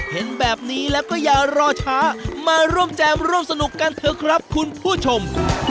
เห็นแบบนี้แล้วก็อย่ารอช้ามาร่วมแจมร่วมสนุกกันเถอะครับคุณผู้ชม